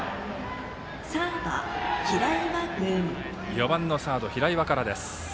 ４番のサード平岩からです。